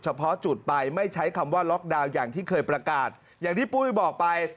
เฉพาะจุดไปไม่ใช้คำว่าล็อกดาวน์อย่างที่เคยประกาศอย่างที่ปุ้ยบอกไป